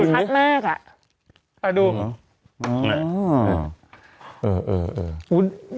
ชัดมากอ่ะอ่าดูอ่ะเออ